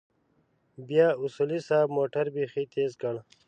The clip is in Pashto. بيا اصولي صيب موټر بيخي تېز کړ.